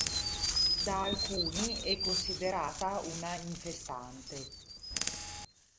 Da alcuni è considerata una infestante.